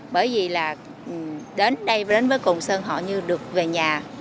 bởi vì là đến đây đến với cồn sơn họ như được về nhà